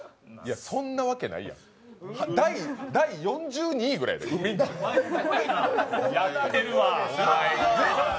そんなわけないやん、第４２位ぐらいや。